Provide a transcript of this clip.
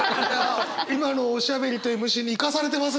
今のおしゃべりとＭＣに生かされてますね！